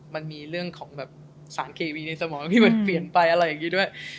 มันมีเรื่องของแบบสารเคมีในสมองที่มันเปลี่ยนไปอะไรอย่างนี้ด้วย